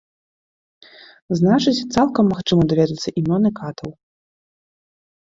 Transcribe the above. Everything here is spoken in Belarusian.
Значыць, цалкам магчыма даведацца імёны катаў.